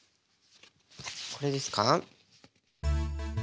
これですか？